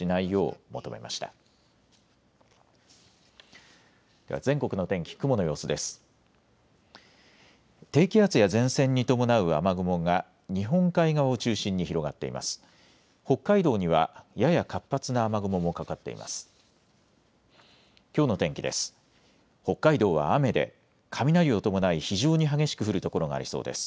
北海道にはやや活発な雨雲もかかっています。